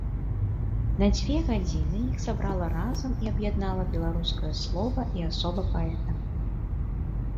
На дзве гадзіны іх сабрала разам і аб'яднала беларускае слова і асоба паэта.